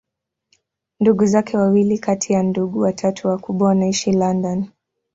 Ndugu zake wawili kati ya ndugu watatu wakubwa wanaishi London.